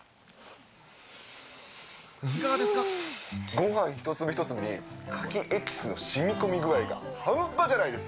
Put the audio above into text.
ご飯一粒一粒にカキエキスのしみ込み具合が半端じゃないです。